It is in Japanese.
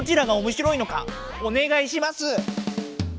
おねがいします！